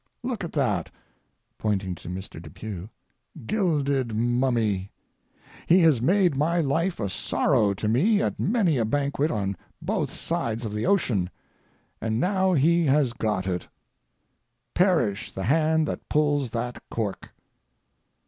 Look at that [pointing to Mr. Depew] gilded mummy! He has made my life a sorrow to me at many a banquet on both sides of the ocean, and now he has got it. Perish the hand that pulls that cork!